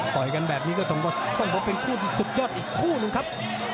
ปล่อยกันแบบนี้ก็ต้องเป็นคู่ที่สุดเยอะนะครับ